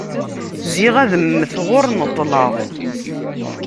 Ziɣ ad mteɣ ur neṭleɣ.